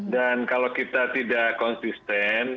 dan kalau kita tidak konsisten